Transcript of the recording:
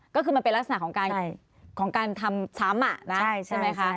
ก็คือมันเป็นลักษณะของการทำซ้ำใช่ไหมคะ